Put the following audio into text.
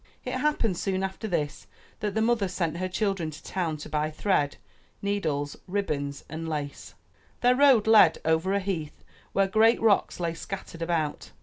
It happened soon after this that the mother sent her children to town to buy thread, needles, ribbons and lace. Their road led over a heath where great rocks lay scattered about.